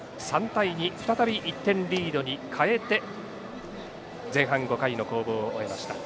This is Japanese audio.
３対２、再び１点リードに変えて前半５回の攻防を終えました。